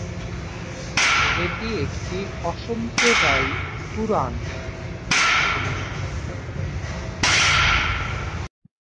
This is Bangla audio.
এটি একটি অসাম্প্রদায়িক পুরাণ।